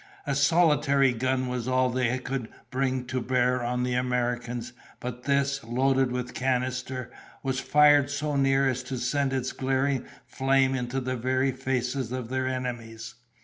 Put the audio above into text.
A solitary gun was all they could bring to bear on the Americans; but this, loaded with canister, was fired so near as to send its glaring flame into the very faces of their enemies.